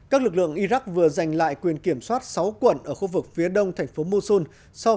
các lực lượng iraq vừa giành lại quyền kiểm soát sáu quận ở khu vực phía đông thành phố mosun sau